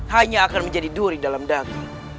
hanya akan menjadi duri dalam daging